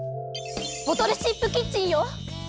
ボトルシップキッチンよ！